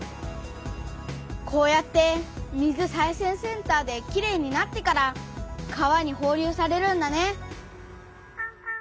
こうやって水再生センターできれいになってから川にほう流されるんだね。